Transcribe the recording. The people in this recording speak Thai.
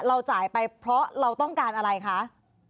จ่ายไปเพราะเราต้องการอะไรคะ